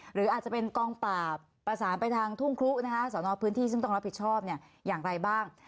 หรืออาจจะเป็นกองปราบประสานไปทางทุ่งครุนะคะสอนอพื้นที่ซึ่งต้องรับผิดชอบเนี่ยอย่างไรบ้าง